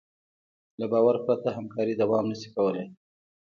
له باور پرته همکاري دوام نهشي کولی.